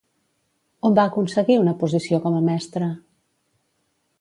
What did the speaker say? On va aconseguir una posició com a mestra?